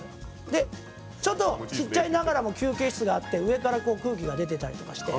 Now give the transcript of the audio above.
「でちょっとちっちゃいながらも休憩室があって上からこう空気が出てたりとかして」